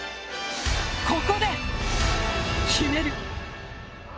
ここで、決める。